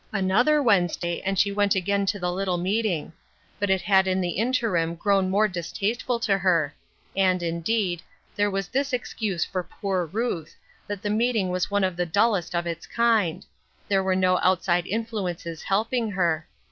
Another Wednesday, 404 Ruth Erskine's Orossei, and she went again to the little meeting ; but it had in the interim grown more distasteful tc her ; and, indeed, there was this excuse foi poci iuth, that the meeting was one of the dullest of its kind ; there were no outside influences helping her.